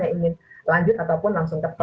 yang ingin lanjut ataupun langsung ke